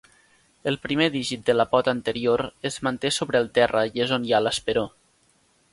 El primer dígit de la pota anterior es manté sobre el terra i és on hi ha l'esperó.